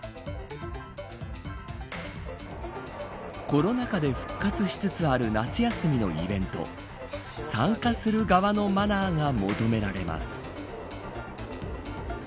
コロナ禍で復活しつつある夏休みのイベント参加する側のマナーが求められます。